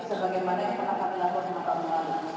sebagaimana yang pernah kami lakukan